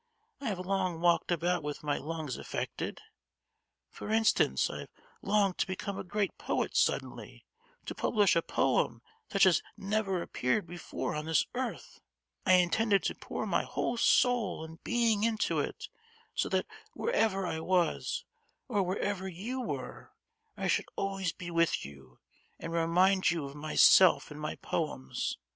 I have long walked about with my lungs affected. For instance, I have longed to become a great poet suddenly, to publish a poem such as has never appeared before on this earth; I intended to pour my whole soul and being into it, so that wherever I was, or wherever you were, I should always be with you and remind you of myself in my poems!